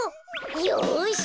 よし！